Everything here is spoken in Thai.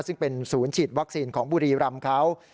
ซึ่งเป็นศูนย์ฉีดวัคซีนของบุรีรำเขา